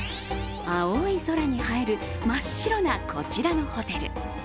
青い空に映える真っ白なこちらのホテル。